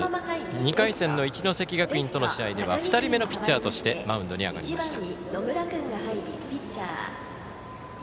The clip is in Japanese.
２回戦の一関学院との試合では２人目のピッチャーとしてマウンドに上がりました。